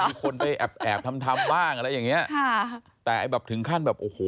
มีคนไปแอบแอบทำทำบ้างอะไรอย่างเงี้ยค่ะแต่ไอ้แบบถึงขั้นแบบโอ้โห